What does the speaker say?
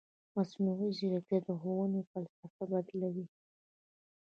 مصنوعي ځیرکتیا د ښوونې فلسفه بدلوي.